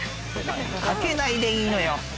かけないでいいのよ。